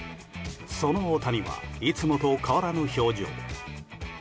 その大谷はいつもと変わらぬ表情。